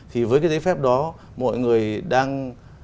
thì với cái giấy phép đó mọi người đang